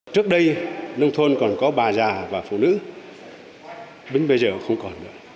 trước đây nông thôn còn có bà già và phụ nữ đến bây giờ không còn nữa